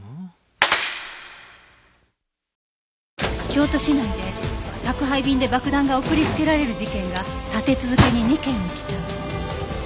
京都市内で宅配便で爆弾が送りつけられる事件が立て続けに２件起きた